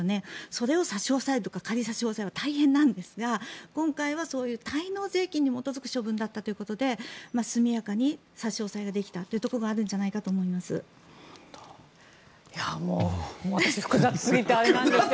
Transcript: それを差し押さえるとか仮差し押さえは大変ですが今回はそういう滞納税金に基づく処分だったということで速やかに差し押さえができたんじゃないかというところがあります。